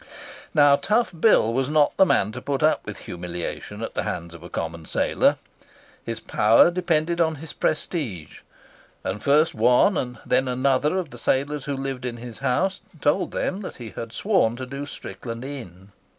Now, Tough Bill was not the man to put up with humiliation at the hands of a common sailor. His power depended on his prestige, and first one, then another, of the sailors who lived in his house told them that he had sworn to do Strickland in.